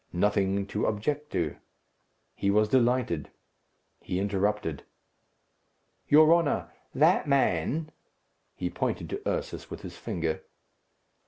Nothing to object to. He was delighted. He interrupted, "Your honour, that man " He pointed to Ursus with his finger.